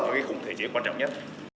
là cái khủng thể chế quan trọng nhất